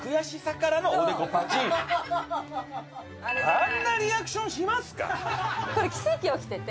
あんなリアクションしますか？